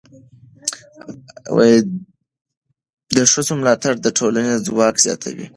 د ښځو ملاتړ د ټولنې ځواک زیاتوي.